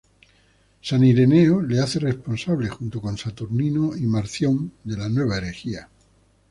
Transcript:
San Ireneo le hace responsable, junto con Saturnino y Marción, de la nueva herejía.